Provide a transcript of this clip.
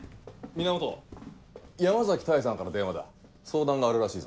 源山崎多江さんから電話だ相談があるらしいぞ。